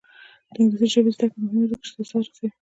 د انګلیسي ژبې زده کړه مهمه ده ځکه چې سیاست رسوي.